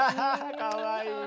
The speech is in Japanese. かわいい。